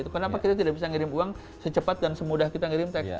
kenapa kita tidak bisa ngirim uang secepat dan semudah kita ngirim tk